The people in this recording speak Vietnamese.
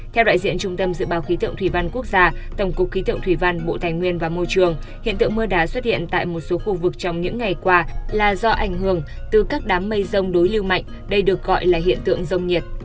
theo đại diện trung tâm dự báo khí tượng thủy văn quốc gia tổng cục khí tượng thủy văn bộ tài nguyên và môi trường hiện tượng mưa đá xuất hiện tại một số khu vực trong những ngày qua là do ảnh hưởng từ các đám mây rông đối lưu mạnh đây được gọi là hiện tượng rông nhiệt